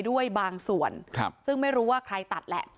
ด้วยบางส่วนซึ่งไม่รู้ว่าใครตัดแหละ